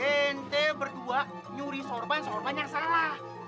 ente berdua nyuri sorban sorban yang salah